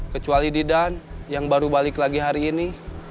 kecuali didan yang baru balik lagi hari ini